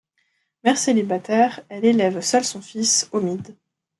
Mère célibataire, elle élève seule son fils, Omid.